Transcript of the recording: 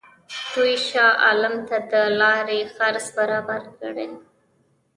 دوی شاه عالم ته د لارې خرڅ برابر کړي.